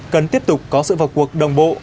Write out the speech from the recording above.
cần tiếp tục có sự vật cuộc đồng bộ